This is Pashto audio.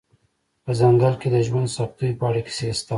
په ځنګل کې د ژوند سختیو په اړه کیسې شته